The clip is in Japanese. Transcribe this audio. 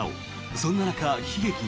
そんな中、悲劇が。